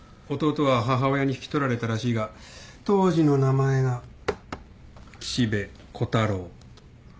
弟は母親に引き取られたらしいが当時の名前が岸辺虎太郎。